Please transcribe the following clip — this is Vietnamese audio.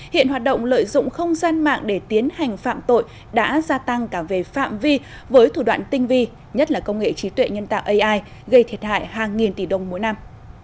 hiện hoạt động lợi dụng không gian mạng để tiến hành phạm tội đã gia tăng cả về phạm vi với thủ đoạn tinh vi nhất là công nghệ trí tuệ nhân tạo ai gây thiệt hại hàng nghìn tỷ đồng mỗi năm